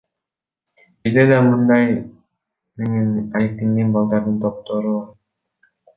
Бизде да мындай менен алектенген балдардын топтору бар.